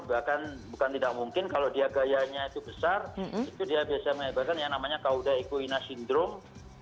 bahkan bukan tidak mungkin kalau dia gayanya itu besar itu dia biasa menyebarkan yang namanya kauda equina syndrome